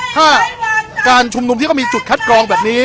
ถ้าการชุมนุมที่เขามีจุดคัดกรองแบบนี้